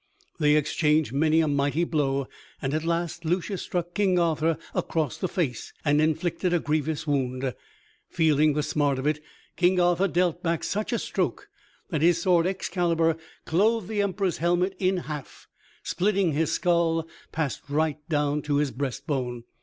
They exchanged many a mighty blow, and at last Lucius struck King Arthur across the face, and inflicted a grievous wound. Feeling the smart of it, King Arthur dealt back such a stroke that his sword Excalibur clove the Emperor's helmet in half, and splitting his skull, passed right down to his breast bone.